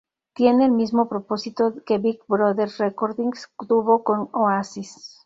Tiene el mismo propósito que Big Brother Recordings tuvo con Oasis.